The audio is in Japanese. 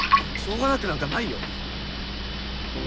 しょうがなくなんかないよ！